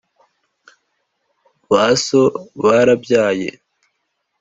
ba so barabyaye,